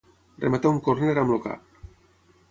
Rematar un córner amb el cap.